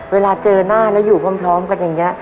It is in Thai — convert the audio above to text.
เวลาเจอหน้าแล้วอยู่พร้อมกันอย่างนี้